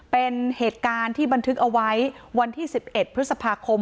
เป็นเหตุการณ์ที่บันทึกเอาไว้วันที่๑๑พฤษภาคม